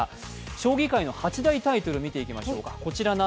将棋界の八大タイトルを見ていきましょうか。